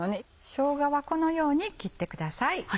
しょうがはこのように切ってください。